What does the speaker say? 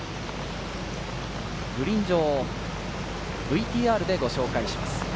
グリーン上、ＶＴＲでご紹介します。